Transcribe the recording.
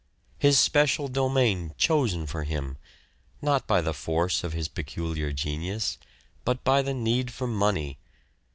His special domain chosen for him, not by the force of his peculiar genius, but by the need for money